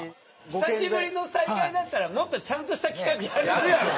久しぶりの再会だったらもっとちゃんとした企画やるだろ。